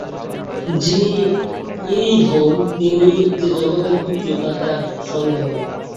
যিনিই হউন, তিনি যে জগতের পূজ্য তাহাতে আর সন্দেহ নাই।